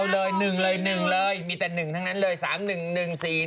๑เลย๑เลยมีแต่๑ทั้งนั้นเลย๓๑๑๔๑อะไรอย่างนี้